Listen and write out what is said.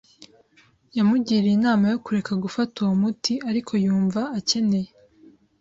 Yamugiriye inama yo kureka gufata uwo muti, ariko yumva akeneye .